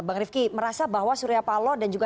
bang rifki merasa bahwa surya paloh dan juga